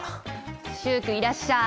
習君いらっしゃい！